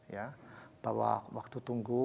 ya bahwa waktu tunggu